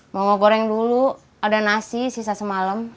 mau mau goreng dulu ada nasi sisa semalem